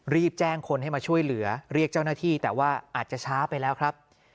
รีบแจ้งคนให้มาช่วยเหลือเรียกเจ้าหน้าที่แต่ว่าอาจจะช้าไปแล้วครับ